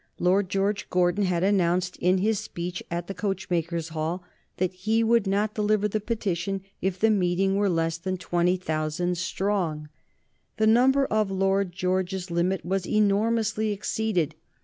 Lord George Gordon had announced in his speech at the Coachmakers' Hall that he would not deliver the petition if the meeting were less than twenty thousand strong. The number of Lord George's limit was enormously exceeded.